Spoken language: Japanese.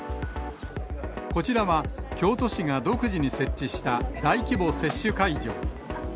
こちらは、京都市が独自に設置した大規模接種会場。